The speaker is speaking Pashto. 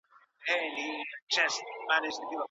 بنګړي بې ږغه نه وي.